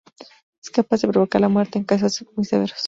Es capaz de provocar la muerte en casos muy severos.